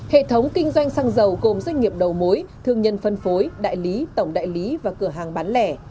hệ thống kinh doanh xăng dầu gồm doanh nghiệp đầu mối thương nhân phân phối đại lý tổng đại lý và cửa hàng bán lẻ